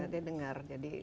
dia dengar jadi